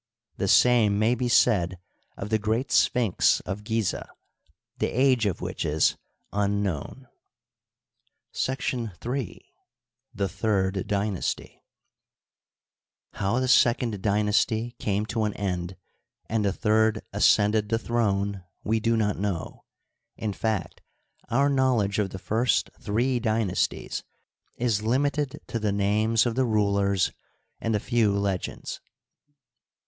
The same may be said of the great Sphinx of Gizeh, the age of which is unknown. §3. The Third Dynasty, How the second dynasty came to an end and the third ascended the throne we. do not know ; in fact, our knowl edge of the first three dynasties is limited to the names of the rulers and a few legends.